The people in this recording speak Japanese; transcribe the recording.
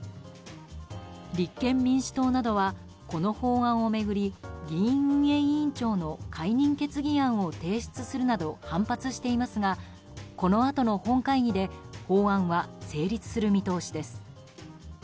立憲民主党などはこの法案を巡り議院運営委員長の解任決議案を提出するなど反発していますがこのあとの本会議で法案は成立する見通しです。